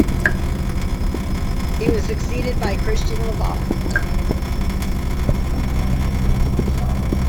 He was succeeded by Christian Levrat.